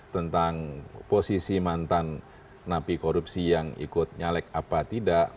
tentang posisi mantan napi korupsi yang ikut nyalek apa tidak